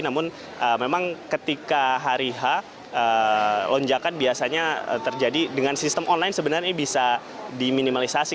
namun memang ketika hari h lonjakan biasanya terjadi dengan sistem online sebenarnya ini bisa diminimalisasi